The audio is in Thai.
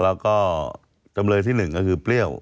แล้วก็จำเลยที่๑ก็คือเปรี้ยว